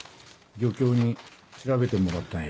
漁協に調べてもらったんよ。